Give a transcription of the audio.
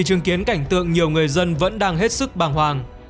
chứng kiến cảnh tượng nhiều người dân vẫn đang hết sức bàng hoàng